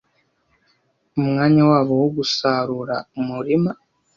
Umwanya wabo wo gusarura-umurima